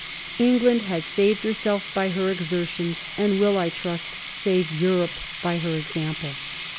"England has saved herself by her exertions, and will, I trust, save Europe by her example."